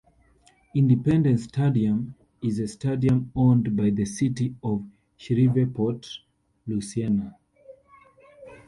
Independence Stadium is a stadium owned by the city of Shreveport, Louisiana.